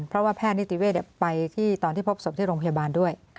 เพราะว่าแพทย์นิติเวศไปที่ตอนที่พบศพที่โรงพยาบาลด้วย